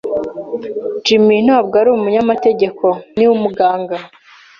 Jim ntabwo ari umunyamategeko. Ni umuganga.